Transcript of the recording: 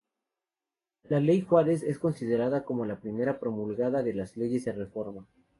La ley Juárez es considerada como la primera promulgada de las Leyes de Reforma.